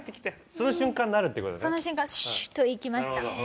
その瞬間シューッと行きました。